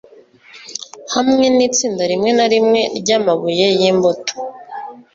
hamwe nitsinda rimwe na rimwe ryamabuye yimbuto